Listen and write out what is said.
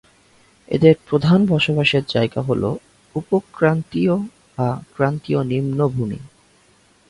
এদের প্রধান বসবাসের জায়গা হল উপক্রান্তীয় বা ক্রান্তীয় নিম্নভূমি।